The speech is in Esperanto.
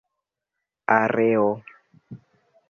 areo